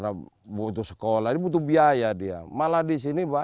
dan setelah berjaya merasa meneruskan nilai lebat